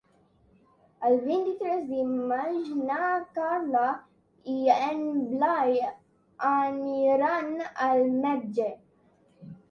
El vint-i-tres de maig na Carla i en Blai aniran al metge.